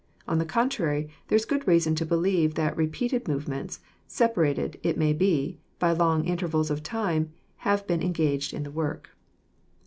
On the contrary, there is good reason to believe that repeated movements, separated, it may be, by long intervals of time, have been engaged in the work.